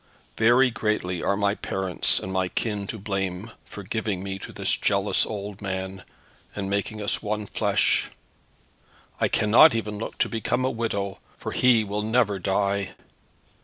Very greatly are my parents and my kin to blame for giving me to this jealous old man, and making us one flesh. I cannot even look to become a widow, for he will never die.